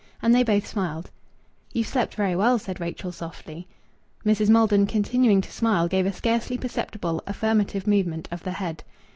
And they both smiled. "You've slept very well," said Rachel softly. Mrs. Maldon, continuing to smile, gave a scarcely perceptible affirmative movement of the head.